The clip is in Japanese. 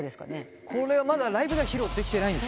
これまだライブでは披露できてないんです。